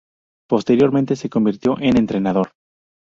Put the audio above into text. Posteriormente se convirtió en entrenador.